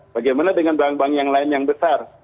bagaimana dengan bank bank yang lain yang besar